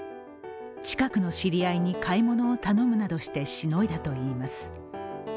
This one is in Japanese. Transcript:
近くの知り合いに買い物を頼むなどして、しのいだといいます。